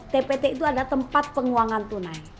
tpt itu ada tempat penguangan tunai